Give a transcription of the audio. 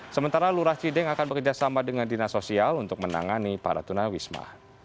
sementara lurah cideng akan bekerjasama dengan dinas sosial untuk menangani para tunawisma